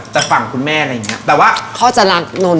จะฝั่งคุณแม่อะไรอย่างนี้